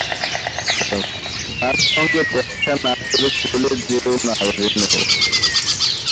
তাঁর সঙ্গে দেখা না করে চলে যেও না যেন।